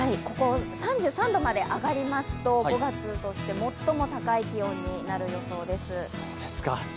３３度まで上がりますと、５月として最も高い気温になる予想です。